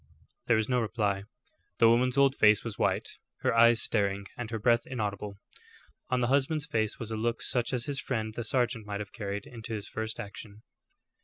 There was no reply; the old woman's face was white, her eyes staring, and her breath inaudible; on the husband's face was a look such as his friend the sergeant might have carried into his first action.